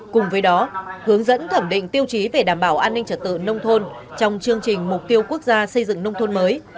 cùng với đó hướng dẫn thẩm định tiêu chí về đảm bảo an ninh trật tự nông thôn trong chương trình mục tiêu quốc gia xây dựng nông thôn mới